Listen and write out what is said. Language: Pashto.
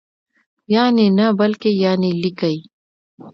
یعني نه بلکې یانې لیکئ!